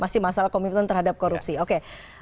masih masalah komitmen terhadap korupsi oke